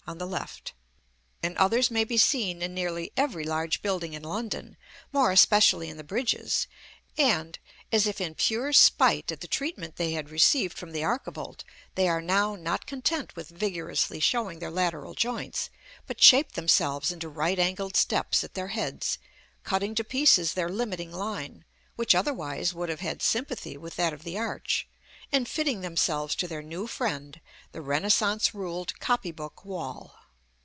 (on the left); and others may be seen in nearly every large building in London, more especially in the bridges; and, as if in pure spite at the treatment they had received from the archivolt, they are now not content with vigorously showing their lateral joints, but shape themselves into right angled steps at their heads, cutting to pieces their limiting line, which otherwise would have had sympathy with that of the arch, and fitting themselves to their new friend, the Renaissance Ruled Copy book wall.